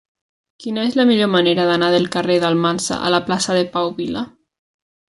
Quina és la millor manera d'anar del carrer d'Almansa a la plaça de Pau Vila?